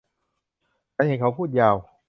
ฉันเห็นเขาพูดยาว